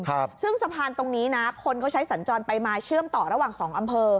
ครับซึ่งสะพานตรงนี้นะคนเขาใช้สัญจรไปมาเชื่อมต่อระหว่างสองอำเภอ